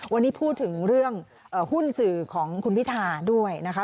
วันนี้พูดถึงเรื่องหุ้นสื่อของคุณพิธาด้วยนะคะ